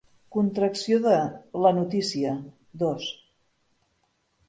Contracció de “la notícia”; dos.